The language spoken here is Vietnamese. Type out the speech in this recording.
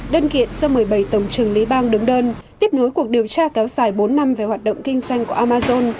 đơn kiện do một mươi bảy tổng trường lý bang đứng đơn tiếp nối cuộc điều tra kéo dài bốn năm về hoạt động kinh doanh của amazon